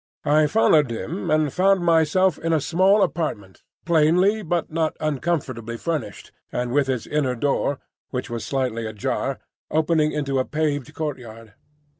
I followed him, and found myself in a small apartment, plainly but not uncomfortably furnished and with its inner door, which was slightly ajar, opening into a paved courtyard.